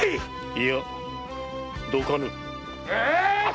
いやどかぬ。